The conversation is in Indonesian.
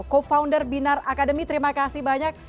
co founder binar akademi terima kasih banyak